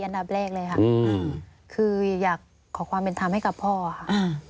อันดับแรกเลยค่ะอืมคืออยากขอความเป็นธรรมให้กับพ่อค่ะอ่า